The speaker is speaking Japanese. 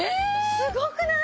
すごくない？